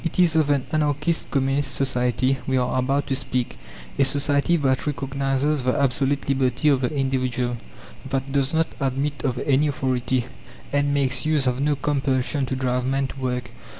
It is of an Anarchist Communist society we are about to speak, a society that recognizes the absolute liberty of the individual, that does not admit of any authority, and makes use of no compulsion to drive men to work.